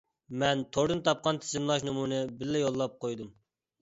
مەن توردىن تاپقان تىزىملاش نومۇرىنى بىللە يوللاپ قويدۇم.